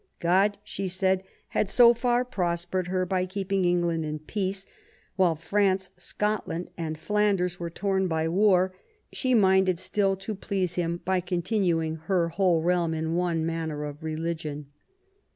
God," she said, had so far prospered her by keeping England in peace, while France, Scotland and Flanders were torn by war ; she minded still to please Him by continuing her whole realm in one manner of religion."